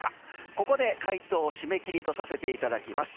ここで回答を締め切りとさせていただきます。